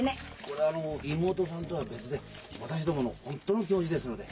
これはあの妹さんとは別で私どもの本当の気持ちですので。